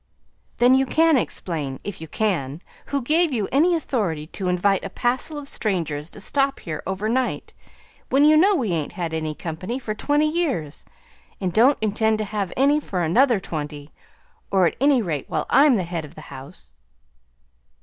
"Then you can explain, if you can, who gave you any authority to invite a passel of strangers to stop here over night, when you know we ain't had any company for twenty years, and don't intend to have any for another twenty, or at any rate while I'm the head of the house."